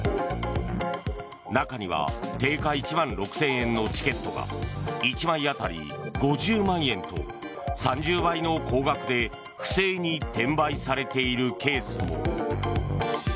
中には定価１万６０００円のチケットが１枚当たり５０万円と３０倍の高額で不正に転売されているケースも。